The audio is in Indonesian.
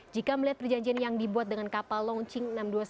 jika melihat perjanjian yang dibuat dengan kapal long ching enam ratus dua puluh satu